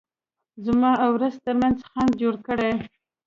زما او رزق ترمنځ خنډ جوړ کړي.